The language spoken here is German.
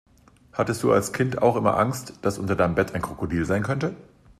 Hattest du als Kind auch immer Angst, dass unter deinem Bett ein Krokodil sein könnte?